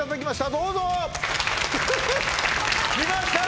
どうぞきました！